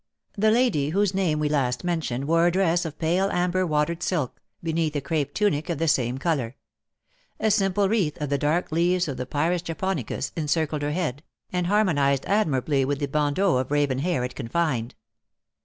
The lady whose name we last mentioned wore a dress of pale amber watered silk, beneath a crape tunic of the same colour. A simple wreath of the dark leaves of the Pyrus Japonicus encircled her head, and harmonised admirably with the bandeaux of raven hair it confined.